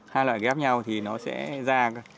hai loại ghép nhau thì nó sẽ ra